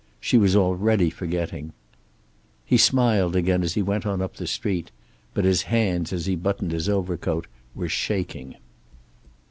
She was already forgetting. He smiled again as he went on up the street, but his hands as he buttoned his overcoat were shaking.